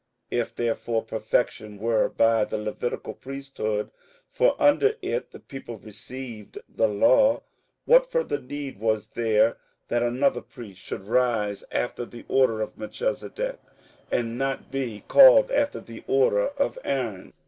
58:007:011 If therefore perfection were by the Levitical priesthood, (for under it the people received the law,) what further need was there that another priest should rise after the order of Melchisedec, and not be called after the order of Aaron?